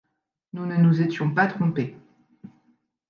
Nous ne nous étions pas trompés.